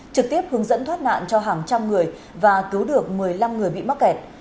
trực tiếp hướng dẫn thoát nạn cho hàng trăm người và cứu được một mươi năm người bị mắc kẹt